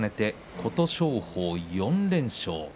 琴勝峰は４連勝。